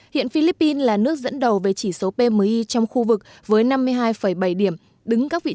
hiện philippines là nước giảm yếu của sản lượng và số lượng đơn đặt hàng mới